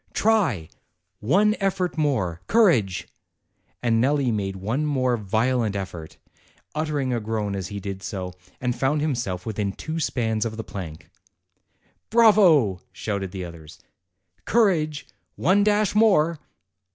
Try one effort more courage!" And Nelli made one more violent effort, utering a groan as he did so, and found himself within two spans of the plank. "Bravo!" shouted the others. "Courage one dash more!"